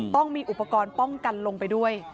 ต้องมีอุปกรณ์ป้องกันลงไปด้วย